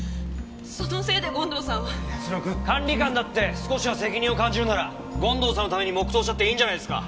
そのせいで権藤さんは。泰乃君。管理官だって少しは責任を感じるなら権藤さんのために黙祷したっていいんじゃないですか？